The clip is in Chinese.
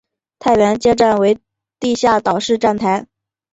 太原街站为地下岛式站台。